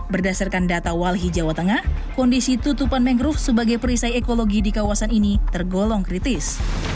berdasarkan data walhi jawa tengah kondisi tutupan mangrove sebagai perisai ekologi di kawasan ini tergolong kritis